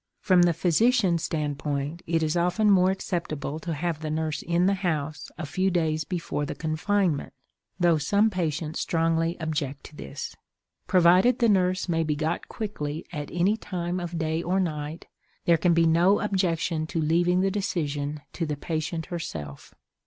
From the physician's standpoint it is often more acceptable to have the nurse in the house a few days before the confinement, though some patients strongly object to this. Provided the nurse may be got quickly at any time of day or night, there can be no objection to leaving the decision to the patient herself.